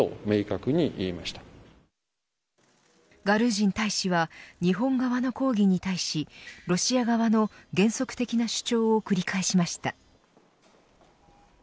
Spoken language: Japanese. ガルージン大使は日本側の抗議に対しロシア側の原則的な主張を繰り返しました。